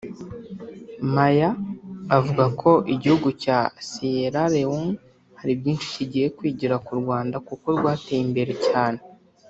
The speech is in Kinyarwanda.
Maya avuga ko igihugu cya Sierra Leone hari byinshi kigiye kwigira ku Rwanda kuko rwateye imbere cyane